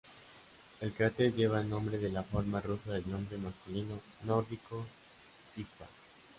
El cráter lleva el nombre de la forma rusa del nombre masculino nórdico "Ingvar".